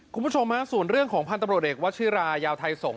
คุณผู้ชมฮะส่วนเรื่องของพันธุ์ตำรวจเอกวัชิรายาวไทยสงฆ